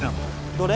どれ？